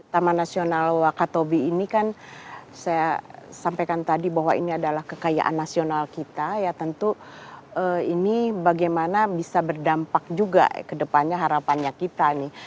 taman nasional wakatobi ini kan saya sampaikan tadi bahwa ini adalah kekayaan nasional kita ya tentu ini bagaimana bisa berdampak juga ke depannya harapannya kita nih